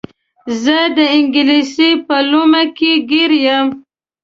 زه د انګلیس په لومه کې ګیر یم.